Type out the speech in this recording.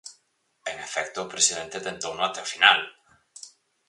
En efecto, o presidente tentouno até o final.